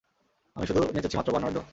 আমি শুধু নেচেছি মাত্র, বার্নার্ডো।